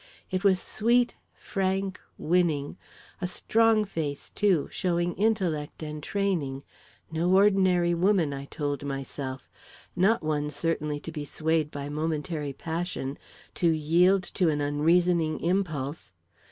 It was sweet, frank, winning a strong face, too, showing intellect and training; no ordinary woman, I told myself; not one, certainly, to be swayed by momentary passion, to yield to an unreasoning impulse.